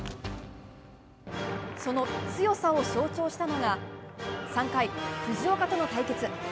その強さを象徴したのが３回、藤岡との対決。